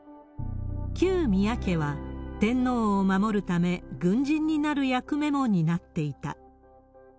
旧宮家は、天皇を守るため、軍人になる役目も担っていた。